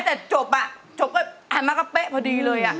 แต่จบอะจบก็เรียบอย่างโอเคเพอดีเลย